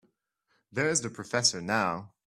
There's the professor now.